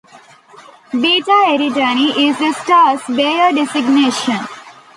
"Beta Eridani" is the star's Bayer designation.